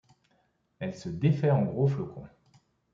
Elle se défait en gros flocons.